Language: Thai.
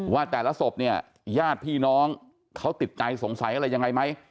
ว่าแต่ละศพเนี่ยญาติพี่น้องเขาติดใจสงสัยอะไรยังไงไหม